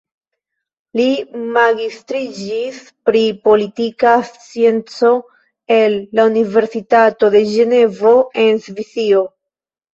Li magistriĝis pri politika scienco el la Universitato de Ĝenevo en Svisio.